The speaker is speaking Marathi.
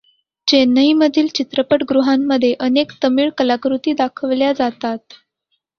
चेन्नईमधील चित्रपटगृहांमध्ये अनेक तमिळ कलाकृती दाखवल्या जातात.